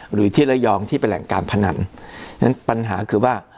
หรือที่ระยองที่เป็นแหล่งการพนันฉะนั้นปัญหาคือว่า